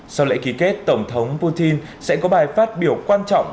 sau lễ ký kết tổng thống putin sẽ có bài phát biểu quan trọng